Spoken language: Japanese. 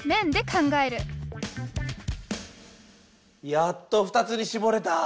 やっと２つにしぼれた！